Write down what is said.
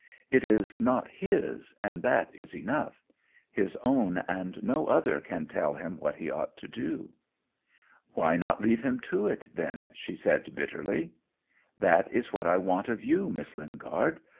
"It is not his, and that is enough. His own and no other can tell him what he ought to do." "Why not leave him to it, then?" she said bitterly. "That is what I want of you, Miss Lingard.